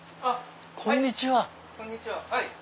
はいこんにちは。